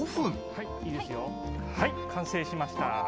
はい、完成しました。